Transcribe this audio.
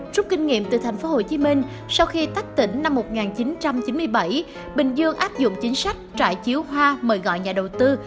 rút kinh nghiệm từ tp hcm sau khi tách tỉnh năm một nghìn chín trăm chín mươi bảy bình dương áp dụng chính sách trại chiếu hoa mời gọi nhà đầu tư